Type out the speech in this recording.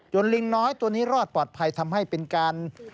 ลิงน้อยตัวนี้รอดปลอดภัยทำให้เป็นการ